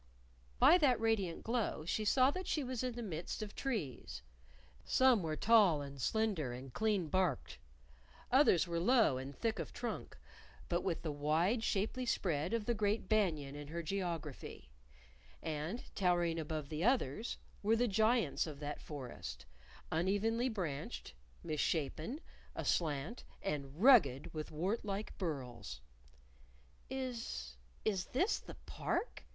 By that radiant glow she saw that she was in the midst of trees! Some were tall and slender and clean barked; others were low and thick of trunk, but with the wide shapely spread of the great banyan in her geography; and, towering above the others, were the giants of that forest, unevenly branched, misshapen, aslant, and rugged with wart like burls. "Is is this the Park?"